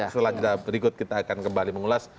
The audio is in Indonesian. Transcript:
setelah jeda berikut kita akan kembali mengulas